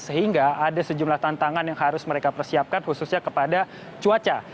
sehingga ada sejumlah tantangan yang harus mereka persiapkan khususnya kepada cuaca